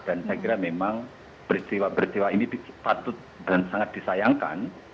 dan saya kira memang berjiwa berjiwa ini patut dan sangat disayangkan